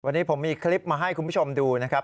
วันนี้ผมมีคลิปมาให้คุณผู้ชมดูนะครับ